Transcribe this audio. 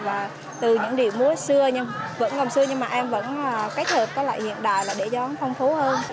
và từ những địa múa xưa nhưng mà em vẫn cách hợp với hiện đại để gió phong phú hơn